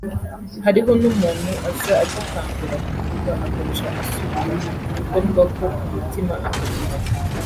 hariho n'umuntu aza agitangura kuvuga agaca asubira gukorwako ku mutima akarira